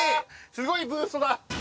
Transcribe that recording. すごいブーストだ。